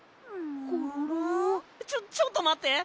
ちょっちょっとまって！